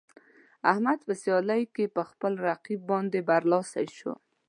احمد په سیالۍ کې په خپل رقیب باندې برلاسی شو.